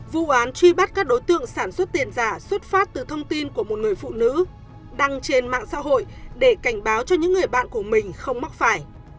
vụ án truy bắt các đối tượng sản xuất tiền giả xuất phát từ thông tin của một người phụ nữ đăng trên mạng xã hội để cảnh báo cho những người bạn của mình không mắc phải